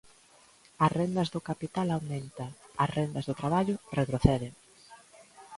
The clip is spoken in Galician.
As rendas do capital aumentan, as rendas do traballo retroceden.